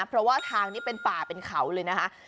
เพราะว่าทางนี้เป็นป่าเป็นเขาเลยนะคะ